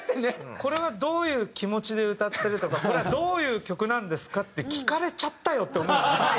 「これはどういう気持ちで歌ってる？」とか「これはどういう曲なんですか？」って聞かれちゃったよって思う。